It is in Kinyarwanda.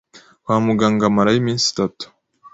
kwa muganga marayo iminsi itatu